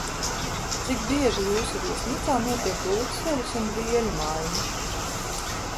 Cik bieži jūsu viesnīcā notiek gultas veļas un dvieļu maiņa?